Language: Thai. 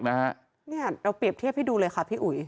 เนี่ยเราเปรียบเทียบให้ดูเลยค่ะพี่อุ๋ย